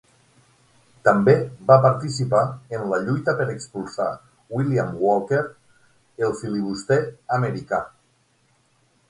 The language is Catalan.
També va participar en la lluita per expulsar William Walker, el filibuster americà.